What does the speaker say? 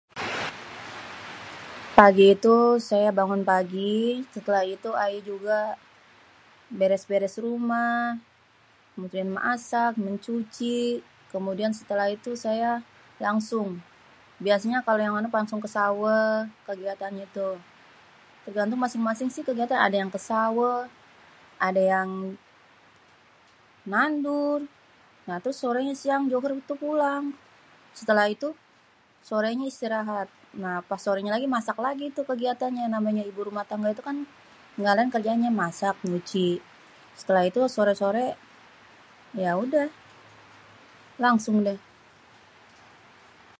Pagi itu, saya bangun pagi setelah itu ayé juga beres-beres rumah, kemudian masak, mencuci, kemudian setelah itu saya langsung, biasanya kalo yang anu langsung ke saweh kegiatannya, tuh. Tergatung masing-masing si kegiatanyé ada yang ke sawéh, adé yang nandur. Nah terus sorenya siang Johornyé pulang. setelah itu sorenya istirahat. Nah, pas sorenyé lagi masak lagi tuh kegiatannya namanya ibu rumah tangga tuh kan engga laén kerjaannya masak, nyuci, setelah itu sore-sore yaudéh langsung, deh.